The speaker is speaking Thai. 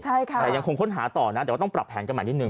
แต่ยังคงค้นหาต่อนะแต่ว่าต้องปรับแผนกันใหม่นิดนึ